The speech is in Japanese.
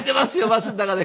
バスの中で。